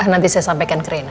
nanti saya sampaikan ke rena